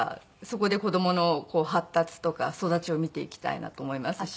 そこで子供の発達とか育ちを見ていきたいなと思いますし。